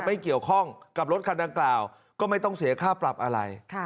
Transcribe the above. ไม่เกี่ยวข้องกับรถคันดังกล่าวก็ไม่ต้องเสียค่าปรับอะไร